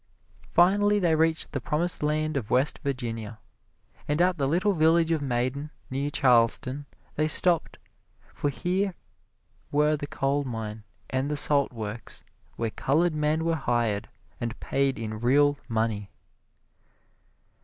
Finally they reached the promised land of West Virginia, and at the little village of Maiden, near Charleston, they stopped, for here were the coal mine and the salt works where colored men were hired and paid in real money.